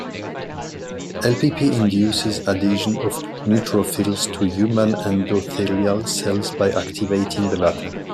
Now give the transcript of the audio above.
Lpp induces adhesion of neutrophils to human endothelial cells by activating the latter.